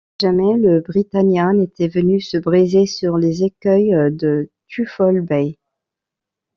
Jamais le Britannia n’était venu se briser sur les écueils de Twofold-Bay!